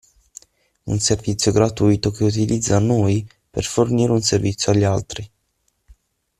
Un servizio gratuito che utilizza noi per fornire un servizio agli altri.